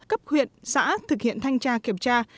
cấp huyện xã thực hiện thanh tra kiểm tra